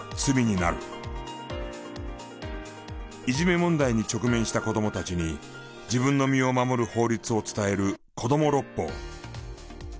いじめ問題に直面した子どもたちに自分の身を守る法律を伝える『こども六法』。